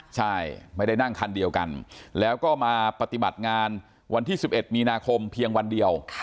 ใช่ไม่ได้นั่งคันเดียวกันแล้วก็มาปฏิบัติงานวันที่๑๑มีนาคมเพียงวันเดียว